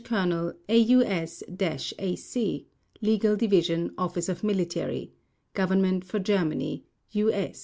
Colonel, AUS AC, Legal Division, Office of Military Government for Germany (U.